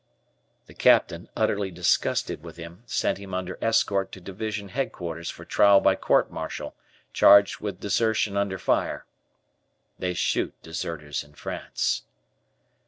The Captain, utterly disgusted with him, sent him under escort to Division Headquarters for trial by court martial, charged with desertion under fire. They shoot deserters in France.